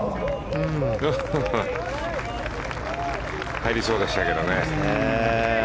入りそうでしたけどね。